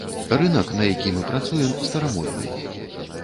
Рынак, на які мы працуем, старамодны.